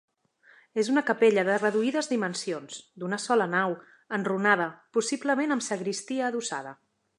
És una capella de reduïdes dimensions, d'una sola nau, enrunada, possiblement amb sagristia adossada.